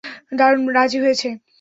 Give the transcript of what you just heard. দারুণ, রাজি হয়েছে।